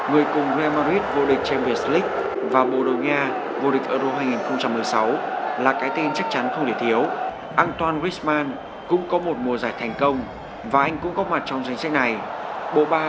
góp mặt trong danh sách này bộ ba